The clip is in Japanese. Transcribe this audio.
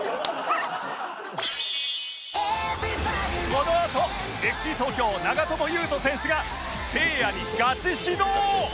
このあと ＦＣ 東京長友佑都選手がせいやにガチ指導！